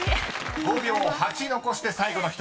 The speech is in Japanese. ［５秒８残して最後の１人］